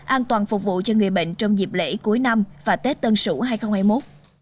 an toàn phục vụ cho người bệnh trong dịp lễ cuối năm và tết tân sỉu hai nghìn hai mươi một